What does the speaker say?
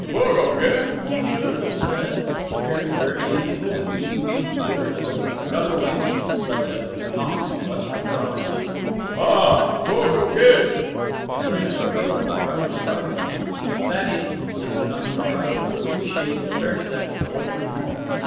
"Vos gogottes, monsieur," he said, appearing very amiable and leaning on each word, with a guttural emphasis such as is common in the western provinces, "ah, vos gogottes!" Matrena Perovna tried to silence him, but Thaddeus insisted on his right to appreciate the fair sex away from home.